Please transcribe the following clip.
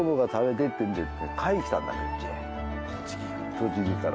栃木から？